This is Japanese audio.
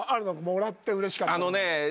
もらってうれしかった物。